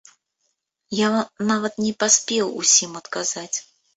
Я нават не паспеў усім адказаць.